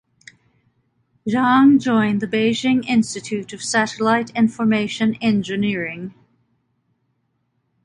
Zhang joined the Beijing Institute of Satellite Information Engineering.